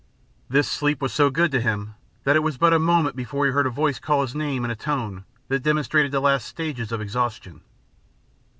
This sleep was so good to him that it was but a moment before he heard a voice call his name in a tone that demonstrated the last stages of exhaustion.